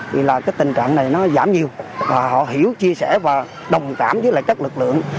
thì là cái tình trạng này nó giảm nhiều và họ hiểu chia sẻ và đồng cảm với các lực lượng